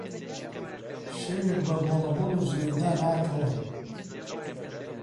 شەوێک بەبۆڵەبۆڵ و جنێودان هاتەوە